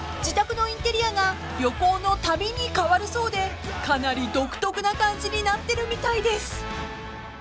自宅のインテリアが旅行のたびに変わるそうでかなり独特な感じになってるみたいです］